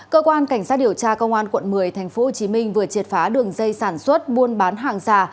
cơ quan cảnh sát điều tra công an quận một mươi tp hcm vừa triệt phá đường dây sản xuất buôn bán hàng giả